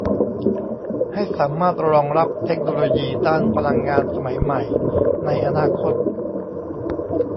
ให้สามารถรองรับเทคโนโลยีด้านพลังงานสมัยใหม่ในอนาคต